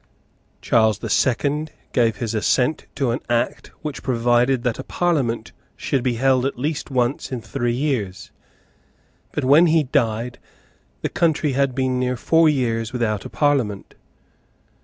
Charles the Second gave his assent to an Act which provided that a Parliament should be held at least once in three years; but when he died the country had been near four years without a Parliament.